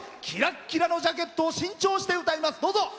キラキラのジャケットを新調して歌います。